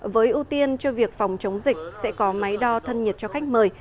với ưu tiên cho việc phòng chống dịch sẽ có máy đo thân nhiệt cho khách mời